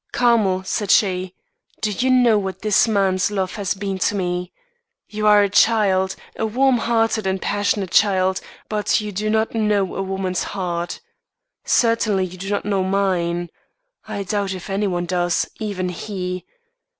'Carmel,' said she, 'do you know what this man's love has been to me? You are a child, a warm hearted and passionate child; but you do not know a woman's heart. Certainly, you do not know mine. I doubt if any one does even he.